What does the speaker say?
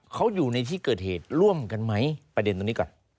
เขาอยู่ในที่เกิดเหตุร่วมกันไหมประเด็นตรงนี้ก่อน